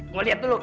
mau lihat dulu